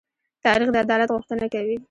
تاریخ د عدالت غوښتنه کوي.